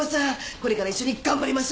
これから一緒に頑張りましょうね。